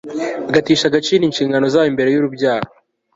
bagatesha agaciro inshingano zabo imbere yurubyaro